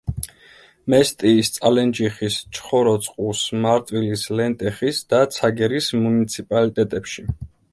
მესტიის, წალენჯიხის, ჩხოროწყუს, მარტვილის, ლენტეხის და ცაგერის მუნიციპალიტეტებში.